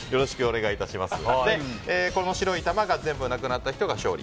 この白い玉が全部なくなった方が勝利。